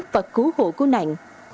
và cứu hộ cứu nạn